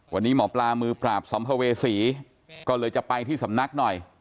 วันนี้หมอปลามือปราบสัมภเวษีก็เลยจะไปที่สำนักหน่อย